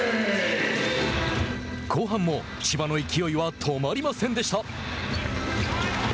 後半も千葉の勢いは止まりませんでした。